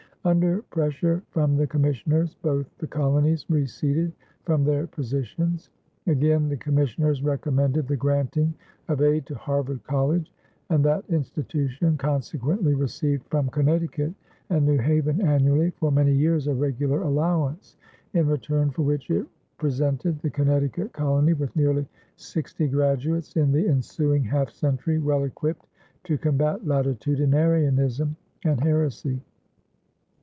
Under pressure from the commissioners both the colonies receded from their positions. Again, the commissioners recommended the granting of aid to Harvard College, and that institution consequently received from Connecticut and New Haven annually for many years a regular allowance, in return for which it presented the Connecticut colony with nearly sixty graduates in the ensuing half century well equipped to combat latitudinarianism and heresy.